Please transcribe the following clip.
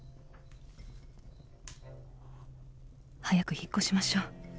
早く引っ越しましょう。